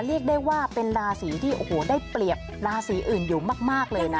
เรียกได้ว่าเป็นราศีที่โอ้โหได้เปรียบราศีอื่นอยู่มากเลยนะ